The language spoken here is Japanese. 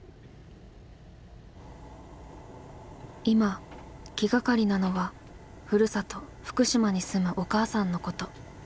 今気がかりなのはふるさと福島に住むお母さんのこと。